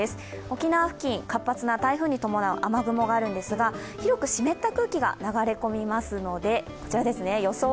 沖縄付近、活発な台風に伴う雨雲があるんですが広く湿った空気が流れ込みますので予想